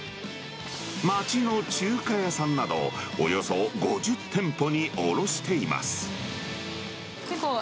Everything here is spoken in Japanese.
町の中華屋さんなど、およそ５０店舗に卸しています。